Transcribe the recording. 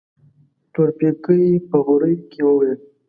تورپيکۍ په غريو کې وويل.